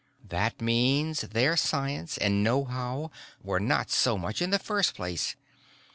That means their science and knowhow were not so much in the first place.